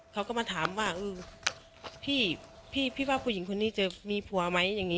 คั่วมาคุยด้วยกัน